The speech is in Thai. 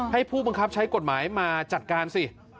ผู้บังคับใช้กฎหมายมาจัดการสิ